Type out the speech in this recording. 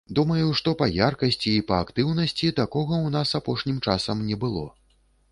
Думаю, што па яркасці і па актыўнасці такога ў нас апошнім часам не было.